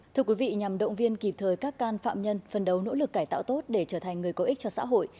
thưa quý vị nhằm động viên kịp thời các can phạm nhân phân đấu nỗ lực cải tạo tốt để trở thành người có ích cho xã hội